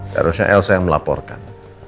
harusnya elsa yang melaporkan